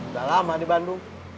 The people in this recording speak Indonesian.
udah lama di bandung